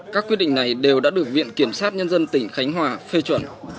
các quyết định này đều đã được viện kiểm sát nhân dân tỉnh khánh hòa phê chuẩn